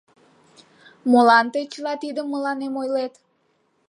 — Молан тый чыла тидым мыланем ойлет?